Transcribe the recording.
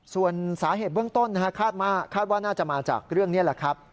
ส่วนสาเหตุเบื้องต้นคาดว่าน่าจะมาจากเรื่องนี้แหละครับ